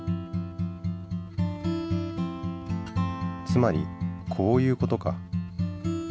つまりこういう事か。